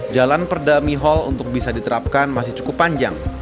jalan perda mihol untuk bisa diterapkan masih cukup panjang